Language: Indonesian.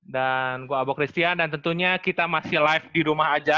dan gue abok christian dan tentunya kita masih live di rumah aja